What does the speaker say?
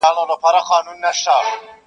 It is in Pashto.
• سپي ویله دا قاضي هوښیار انسان دی,